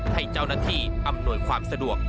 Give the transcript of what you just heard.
ให้เจ้าหน้าที่อำนวยความสะดวก